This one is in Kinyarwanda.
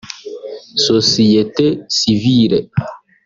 Sosiyete Sivile